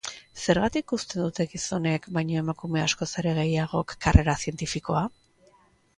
Zergatik uzten dute gizonek baino emakume askoz ere gehiagok karrera zientifikoa?